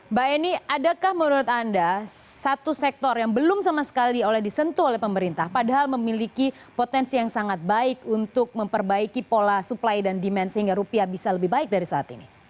mbak eni adakah menurut anda satu sektor yang belum sama sekali oleh disentuh oleh pemerintah padahal memiliki potensi yang sangat baik untuk memperbaiki pola supply dan demand sehingga rupiah bisa lebih baik dari saat ini